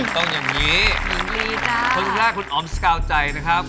ต้องอย่างงี้หญิงลีจ้าขอบคุณครับคุณอ๋อมสกาวใจนะครับ